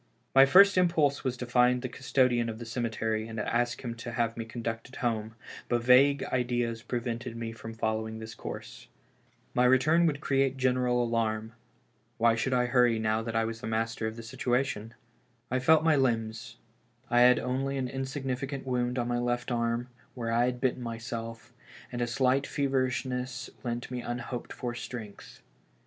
Y first impulse was to find the custodian of the cemetery and ask him to have me conducted home, but vague ideas prevented me from following this course. My return would create general alarm ; why BACK FROM THE GRAVE. 273 should I hurry now that I was master of the situation? I felt my limbs ; I had only an insignificant wound on my left arm, where I had bitten myself, and a slight feverishness lent me unhoped for strength.